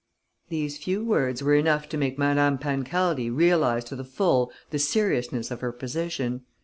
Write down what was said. These few words were enough to make Madame Pancaldi realize to the full the seriousness of her position.